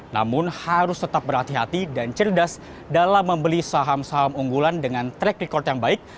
namun harus tetap berhati hati dan cerdas dalam membeli saham saham unggulan dengan track record yang baik